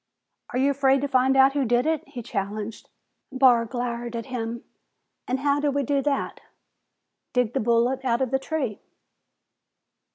_ "Are you afraid to find out who did it?" he challenged. Barr glowered at him. "An' how do we do that!" "Dig the bullet out of the tree."